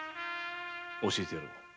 教えてやろう。